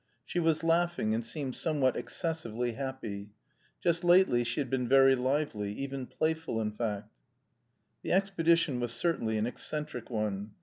She was laughing, and seemed somewhat excessively happy. Just lately she had been very lively, even playful, in fact. The expedition was certainly an eccentric one.